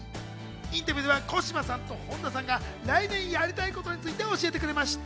インタビューでは小芝さんと本田さんが来年やりたいことについて教えてくれました。